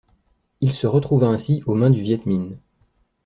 Il se retrouva ainsi aux mains du Viêt Minh.